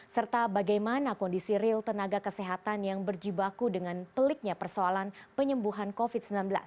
serta bagaimana kondisi real tenaga kesehatan yang berjibaku dengan peliknya persoalan penyembuhan covid sembilan belas